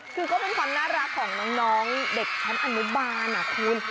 คือก็เป็นความน่ารักของน้องเด็กชั้นอนุบาลคุณ